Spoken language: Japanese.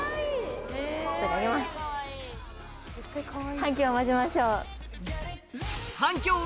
反響を待ちましょう。